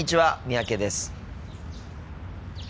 三宅です。